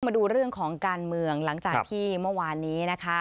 มาดูเรื่องของการเมืองหลังจากที่เมื่อวานนี้นะคะ